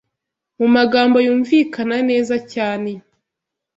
Mu magambo yumvikana neza cyane